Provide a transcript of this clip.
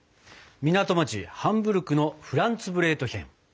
港町ハンブルクのフランツブレートヒェン。